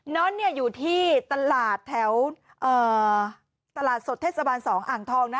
้อนอยู่ที่ตลาดแถวตลาดสดเทศบาล๒อ่างทองนะ